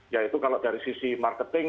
yaitu kalau dari sisi marketing